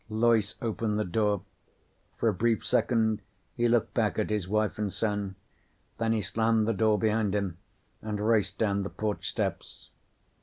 Loyce opened the door. For a brief second he looked back at his wife and son. Then he slammed the door behind him and raced down the porch steps.